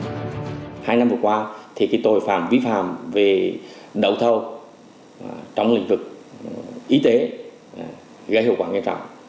hai năm vừa qua thì cái tội phạm vi phạm về đậu thâu trong lĩnh vực y tế gây hiệu quả nguyên trọng